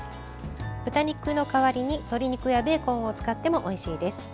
豚肉の代わりに鶏肉やベーコンを使ってもおいしいです。